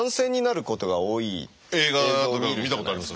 映画とかで見たことあります。